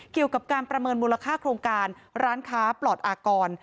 เกี่ยวกับการประเมินมูลค่าโครงการร้านค้าปลอดอากร